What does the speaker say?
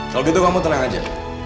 kalau gitu kamu tenang aja